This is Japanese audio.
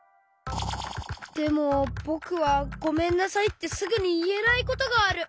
でもぼくは「ごめんなさい」ってすぐにいえないことがある。